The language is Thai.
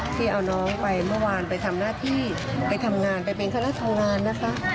ที่เอาน้องไปเมื่อวานไปทำหน้าที่ไปทำงานไปเป็นคณะทำงานนะคะ